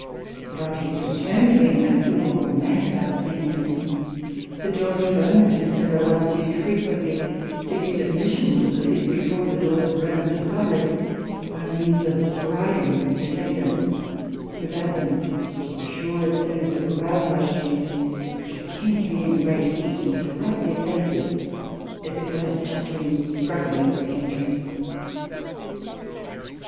But, on his return to England, people were mad about seeing him ; and Sir George Beaumont and several others used frequently to get admission into the pit, before the doors were opened to the public, by means of bribing the attendants, who bade them " be sure, as soon as the crowd rushed in, to pretend to be in a great heat, and to wipe their faces, as if they had just been struggling for entrance."